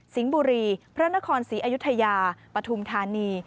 บุรีพระนครศรีอยุธยาปฐุมธานี